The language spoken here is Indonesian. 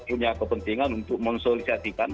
punya kepentingan untuk mensosialisasikan